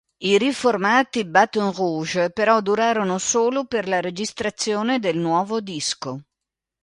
I riformati Baton Rouge però durarono solo per la registrazione del nuovo disco.